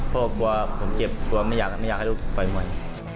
พ่อกลัวว่าผมเก็บกลัวว่าไม่อยากให้ลูกต่อยมวย